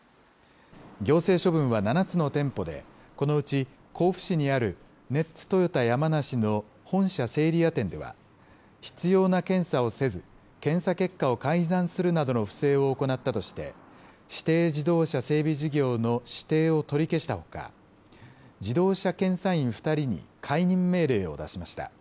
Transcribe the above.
行政処分は７つの店舗で、このうち甲府市にあるネッツトヨタ山梨の本社セイリア店では、必要な検査をせず、検査結果を改ざんするなどの不正を行ったとして、指定自動車整備事業の指定を取り消したほか、自動車検査員２人に解任命令を出しました。